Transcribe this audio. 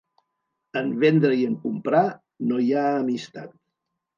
En vendre i en comprar no hi ha amistat.